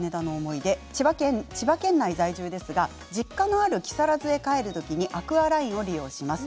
千葉県内在住ですが実家のある木更津へ帰る時にアクアラインを利用します。